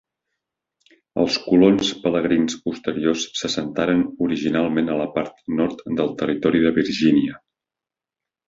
Els colons pelegrins posteriors s'assentaren originalment a la part nord del territori de Virgínia.